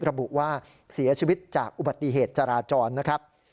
ระบุว่าเสียชีวิตจากอุบัติเหตุจราจรนะครับ